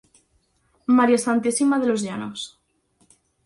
María Santísima de Los Llanos".